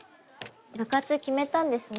部活決めたんですね。